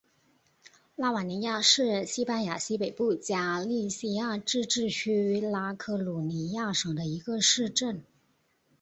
拉瓦尼亚是西班牙西北部加利西亚自治区拉科鲁尼亚省的一个市镇。